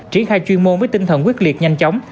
triển khai chuyên môn với tinh thần quyết liệt nhanh chóng